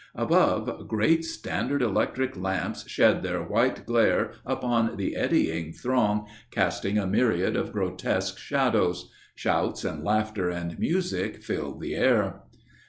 Above, great standard electric lamps shed their white glare upon the eddying throng casting a myriad of grotesque shadows. Shouts and laughter and music filled the air.